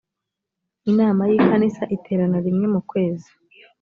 inama y i kanisa iterana rimwe mu kwezi